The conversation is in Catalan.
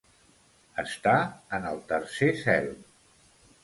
Estar en el tercer cel.